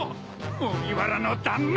麦わらの旦那ぁ